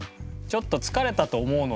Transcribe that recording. ちょっと疲れたと思うので。